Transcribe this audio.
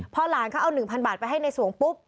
พอหลานเขาเอาหนึ่งพันบาทไปให้นายสวงปุ๊บ